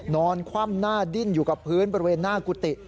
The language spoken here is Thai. นอนคว่ำหน้าดิ้นอยู่กับพื้นบริเวณหน้ากุฏิ